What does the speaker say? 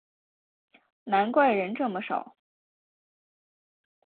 难怪人这么少